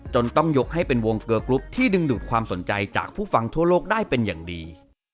ต้องยกให้เป็นวงเกอร์กรุ๊ปที่ดึงดูดความสนใจจากผู้ฟังทั่วโลกได้เป็นอย่างดี